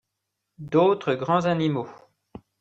D'autres grands animaux.